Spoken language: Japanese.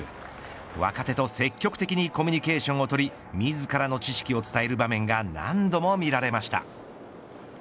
若手と積極的にコミュニケーションを取り自らの知識を伝える場面が目に止まりました。